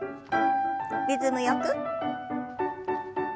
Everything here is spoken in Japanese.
リズムよく。